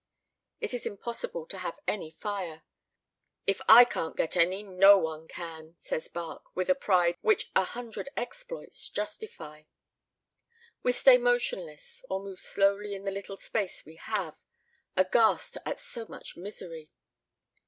It is impossible to have any fire. "If I can't get any, no one can," says Barque, with a pride which a hundred exploits justify. We stay motionless, or move slowly in the little space we have, aghast at so much misery.